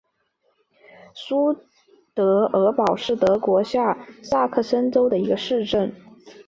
苏德尔堡是德国下萨克森州的一个市镇。